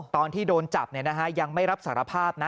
ตอนที่โดนจับยังไม่รับสารภาพนะ